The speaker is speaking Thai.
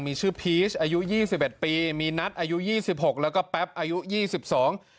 มีชื่อพีชอายุยี่สิบเอ็ดปีมีนัทอายุยี่สิบหกแล้วก็แป๊บอายุยี่สิบสอง